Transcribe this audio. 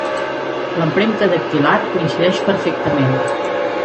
L'empremta dactilar coincideix perfectament.